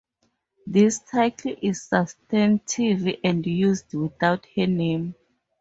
This title is substantive and used without her name.